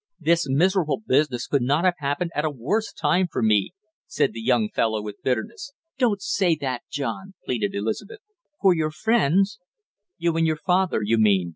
"This miserable business could not have happened at a worse time for me!" said the young fellow with bitterness. "Don't say that, John!" pleaded Elizabeth. "For your friends " "You and your father, you mean!"